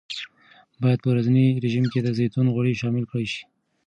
باید په ورځني رژیم کې د زیتون غوړي شامل کړل شي.